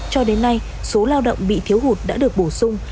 cho đến nay số lao động bị thiếu hụt đã được bổ sung